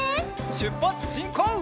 しゅっぱつしんこう！